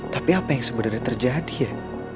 tapi apa yang sebenarnya terjadi ya